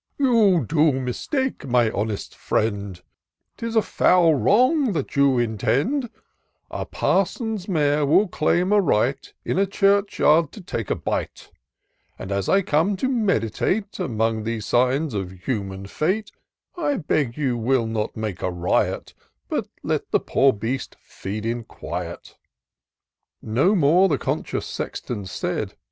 " You do mistake, my honest friend — Tis a foul wrong that you intend : A ParsonV mare will claim a right In a church yard to take a bite ; And, as I come to meditate Among these signs of human fate^ I beg you will not make a riot, But let the poor beast feed in quiet." No more the conscious Sexton said.